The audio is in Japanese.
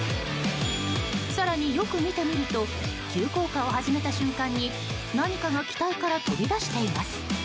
更によく見てみると急降下を始めた瞬間に何かが機体から飛び出しています。